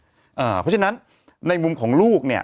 เพราะฉะนั้นในมุมของลูกเนี่ย